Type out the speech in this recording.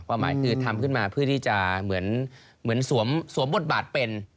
หมายคือทำขึ้นมาเพื่อที่จะเหมือนสวมบทบาทเป็น